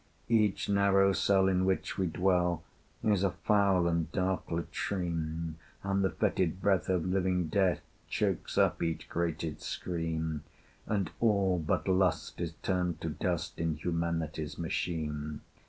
Each narrow cell in which we dwell Is a foul and dark latrine, And the fetid breath of living Death Chokes up each grated screen, And all, but Lust, is turned to dust In Humanity's machine.